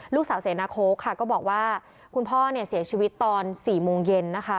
เสนาโค้กค่ะก็บอกว่าคุณพ่อเนี่ยเสียชีวิตตอน๔โมงเย็นนะคะ